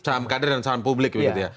saham kader dan saham publik begitu ya